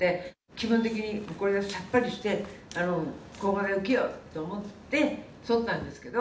気分的に、これでさっぱりして、抗がん剤受けようって思って、そったんですけど。